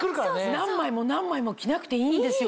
何枚も何枚も着なくていいんですよ